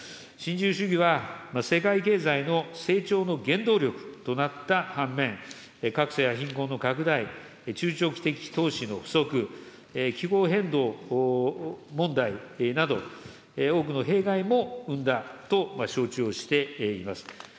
新自由主義は世界経済の成長の原動力となった反面、格差や貧困の拡大、中長期的投資の不足、気候変動問題など、多くの弊害も生んだと承知をしています。